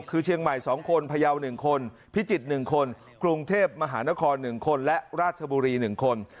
คือเชียงใหม่๒คนพยาว๑คนพิจิตร๑คนกรุงเทพมหานคร๑คนและราชบุรี๑คน